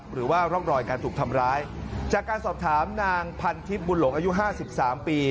หรือว่าร่องรอยการถูกทำร้ายจากการสอบถามนางพันทิพย์บุญหลงอายุห้าสิบสามปี